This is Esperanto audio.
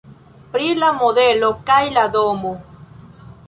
Pri la modelo kaj la domo.